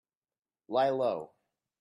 Lie low